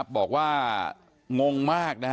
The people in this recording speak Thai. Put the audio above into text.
บอกว่างงมาก